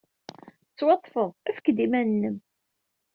Tettwaḍḍfed. Efk-d iman-nnem!